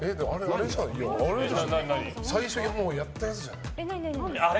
最初にやったやつじゃない？